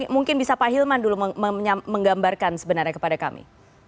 mungkin bisa pak hilman dulu menggambarkan sebenarnya kepada kami